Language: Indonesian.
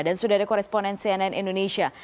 dan sudah ada koresponen cnn indonesia